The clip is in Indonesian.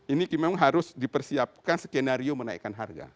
ini memang harus dipersiapkan skenario menaikkan harga